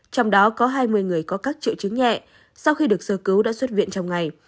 trong đó có hai mươi người có các triệu chứng nhẹ sau khi được sơ cứu đã xuất viện trong ngày